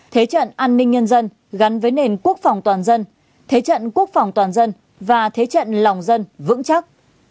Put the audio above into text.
thế trận an ninh nhân dân gắn với nền quốc phòng toàn dân thế trận quốc phòng toàn dân và thế trận lòng dân vững chắc